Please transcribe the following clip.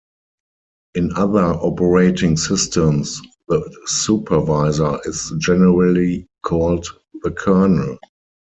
In other operating systems, the supervisor is generally called the kernel.